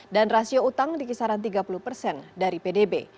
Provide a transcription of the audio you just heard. dan rasio utang dikisaran tiga puluh persen dari pdb